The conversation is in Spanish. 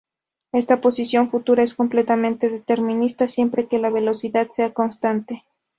Esta posición futura es completamente determinista, siempre que la velocidad sea constante.